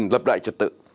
lập đại trật tự